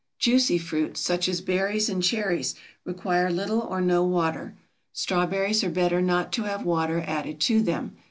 Juicy fruits, such as berries and cherries, require little or no water. Strawberries are better not to have water added to them.